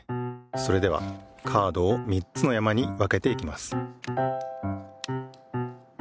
それではカードを３つの山に分けていきます。